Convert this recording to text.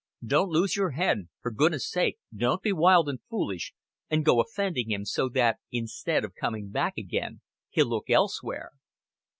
Don't lose your head. For goodness' sake, don't be wild and foolish, and go offending him so that instead of coming back again he'll look elsewhere."